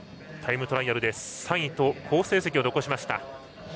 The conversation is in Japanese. タイムトライアルで３位と好成績を残しました。